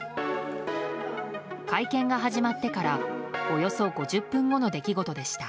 会見が始まってからおよそ５０分後の出来事でした。